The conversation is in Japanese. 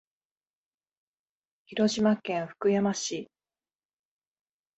広島県福山市